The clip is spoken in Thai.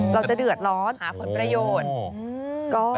เราจะเดือดร้อนหาผลประโยชน์